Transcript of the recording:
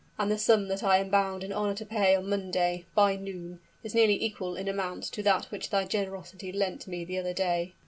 "And the sum that I am bound in honor to pay on Monday by noon, is nearly equal in amount to that which thy generosity lent me the other day."